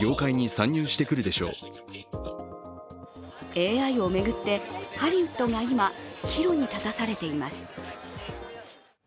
ＡＩを巡って、ハリウッドが今岐路に立たされています。